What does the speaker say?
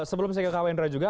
sebelum saya ke kawendra juga